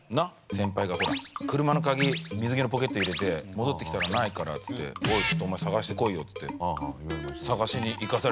先輩がほら車の鍵水着のポケット入れて戻ってきたらないからっていって「おいちょっとお前捜してこいよ」っていって捜しに行かされて。